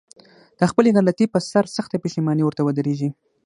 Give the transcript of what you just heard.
د خپلې غلطي په سر سخته پښېماني ورته ودرېږي.